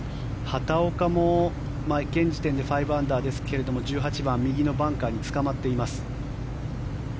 畑岡も現時点で５アンダーですが１８番、右のバンカーにつかまっています。